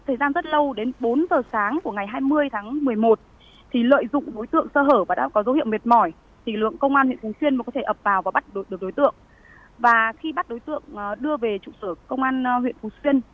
hãy đăng ký kênh để ủng hộ kênh của mình nhé